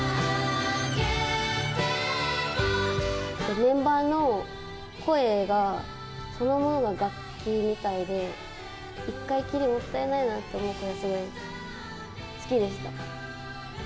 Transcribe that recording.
メンバーの声が、そのものが楽器みたいで、一回きりもったいないなと思うくらい好きでした。